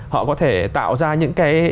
họ có thể tạo ra những cái